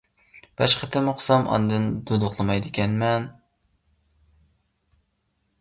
بەش قېتىم ئوقۇسام ئاندىن دۇدۇقلىمايدىكەنمەن .